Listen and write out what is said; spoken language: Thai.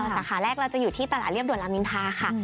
สาขาแรกเราจะอยู่ที่ตลาดเรียบด่วนรามินทาค่ะ